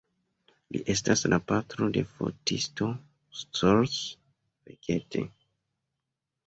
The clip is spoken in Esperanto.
Li estas la patro de fotisto Zsolt Fekete.